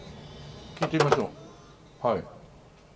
聞いてみましょうはい。